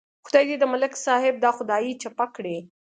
خدای دې د ملک صاحب دا خدایي چپه کړي.